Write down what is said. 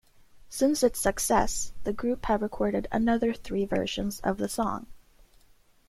Since its success, the group have recorded another three versions of the song.